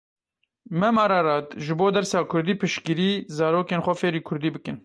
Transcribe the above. Mem Arart ji bo dersa kurdî piştgirî, zarokên xwe fêrî kurdî bikin.